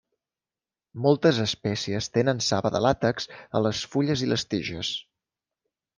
Moltes espècies tenen saba de làtex a les fulles i les tiges.